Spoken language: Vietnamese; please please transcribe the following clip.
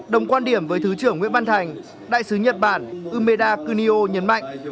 đồng quan điểm với thứ trưởng nguyễn văn thành đại sứ nhật bản umeda kunio nhấn mạnh